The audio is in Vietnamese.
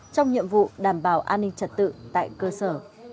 trong nhiệm vụ đảm bảo an ninh trật tự tại cơ sở